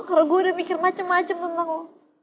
karena gue udah mikir macem macem tentang lo